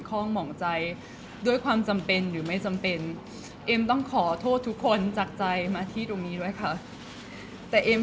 เพราะว่าสิ่งเหล่านี้มันเป็นสิ่งที่ไม่มีพยาน